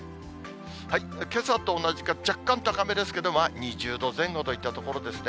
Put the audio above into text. けさと同じか若干高めですけど、２０度前後といったところですね。